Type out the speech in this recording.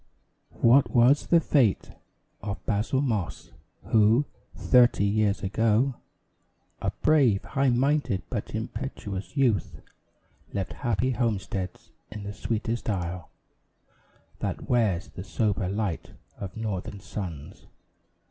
What was the fate Of Basil Moss who, thirty years ago, A brave, high minded, but impetuous youth, Left happy homesteads in the sweetest isle That wears the sober light of Northern suns?